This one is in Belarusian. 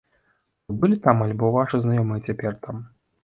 Вы былі там альбо вашы знаёмыя цяпер там?